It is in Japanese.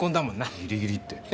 ギリギリって。